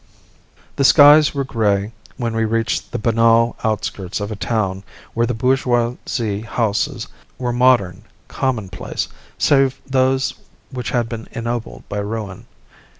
The skies were grey when we reached the banal outskirts of a town where the bourgeoise houses were modern, commonplace, save those which had been ennobled by ruin.